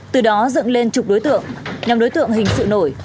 từ đó dựng lên chục đối tượng nhằm đối tượng hình sự nổi